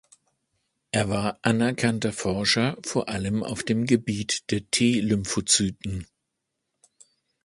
Er war ein anerkannter Forscher vor allem auf dem Gebiet der T-Lymphozyten.